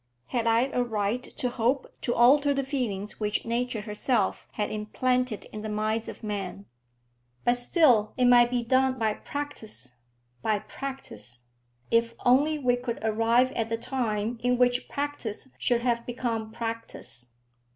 Had I a right to hope to alter the feelings which nature herself had implanted in the minds of men? But still it might be done by practice, by practice; if only we could arrive at the time in which practice should have become practice.